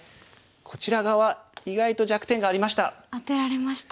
こちら側意外と弱点がありました。